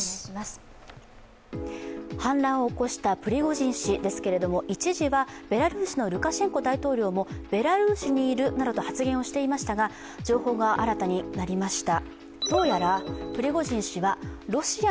反乱を起こしたプリゴジン氏ですが、一時はベラルーシのルカシェンコ大統領もベラルーシにいるなどと発言をしていましたが、情報が新たになりました。